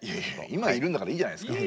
今いるんだからいいじゃないですか。